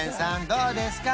どうですか？